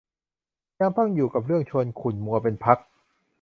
ยังต้องอยู่กับเรื่องชวนขุ่นมัวเป็นพัก